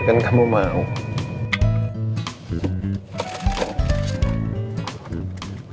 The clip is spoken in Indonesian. ini kenapa nggak dimakan